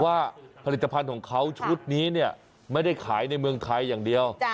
ว่าผลิตภัณฑ์ของเขาชุดนี้เนี่ยไม่ได้ขายในเมืองไทยอย่างเดียว